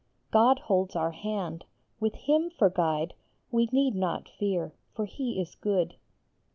God holds our hand. With him for guide We need not fear ; for he is good.